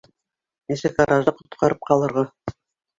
Нисек гаражды ҡотҡарып ҡалырға?